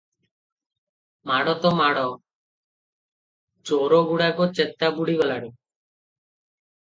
ମାଡ଼ ତ ମାଡ଼, ଚୋରଗୁଡ଼ାଙ୍କ ଚେତା ବୁଡ଼ିଗଲାଣି ।